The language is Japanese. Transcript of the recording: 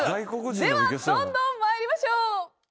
ではどんどん参りましょう。